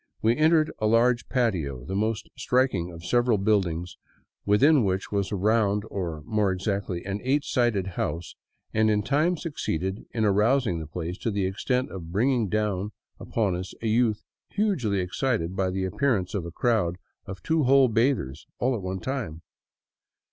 We entered a large patio, the most striking of several build ings within which was a round, or, more exactly, an eight sided house, and in time succeeded in arousing the place to the extent of bringing down upon us a youth hugely excited at the appearance of a crowd of two whole bathers all at one time.